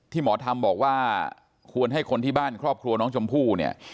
หมอธรรมบอกว่าควรให้คนที่บ้านครอบครัวน้องชมพู่เนี่ย